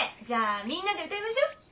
じゃあみんなで歌いましょう。